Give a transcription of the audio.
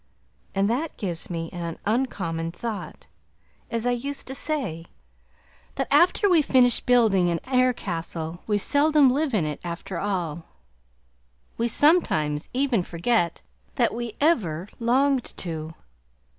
And that gives me "an uncommon thought" as I used to say! It is this: that when we finish building an air castle we seldom live in it after all; we sometimes even forget that we ever longed to!